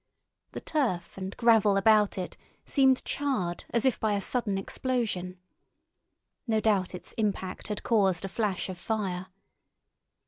The turf and gravel about it seemed charred as if by a sudden explosion. No doubt its impact had caused a flash of fire.